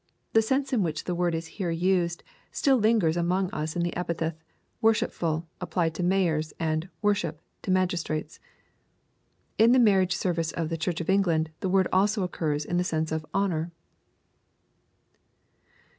The sense in which the word is here used, still lingera amongst us in the epithet " worshipful," applied to " mayors," and " worship" to magistrates. In the marriage service of the Church of England, the word also occurs in the sense of " honor."